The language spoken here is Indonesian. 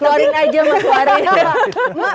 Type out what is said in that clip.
keluarin aja mas keluar ya